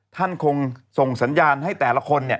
ท่านคงส่งสัญญาณให้แต่ละคน